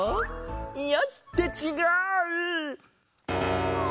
よし！ってちがう！